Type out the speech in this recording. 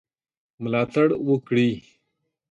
ملاتړ وکړي.